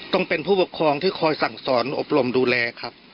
ต้องเป็นผู้ปกครองที่คอยสั่งสอนอบรมดูแลครับ